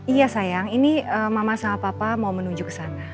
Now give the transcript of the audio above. iya sayang ini mama sama papa mau menuju kesana